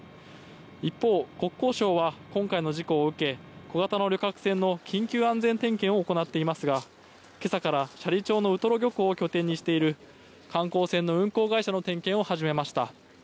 一方、国交省は今回の事故を受け小型の旅客船の緊急安全点検を行っていますが今朝から斜里町のウトロ漁港を拠点にしている観光船の運航会社の点検を始めました。